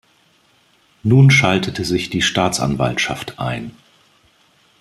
Nun schaltete sich die Staatsanwaltschaft ein.